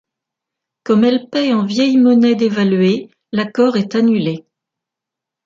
Comme elles paient en vieille monnaie dévaluée, l'accord est annulé.